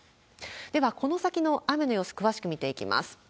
では、この先の雨の様子、詳しく見ていきます。